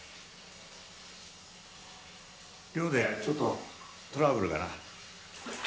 寮でちょっとトラブルがな